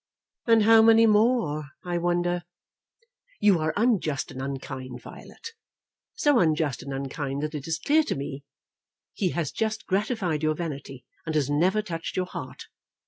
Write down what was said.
"And how many more, I wonder?" "You are unjust, and unkind, Violet. So unjust and unkind that it is clear to me he has just gratified your vanity, and has never touched your heart.